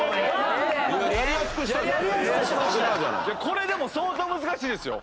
これでも相当難しいですよ。